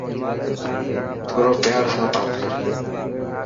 ٿورو پيار سان بات ڪر.